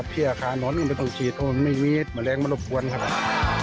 พี่อะคะนนต่อก็ต้องฉีดเลยไม่มีแมลงมารบมัน